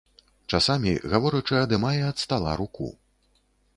Часамі, гаворачы, адымае ад стала руку.